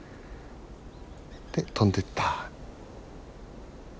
で飛んでった。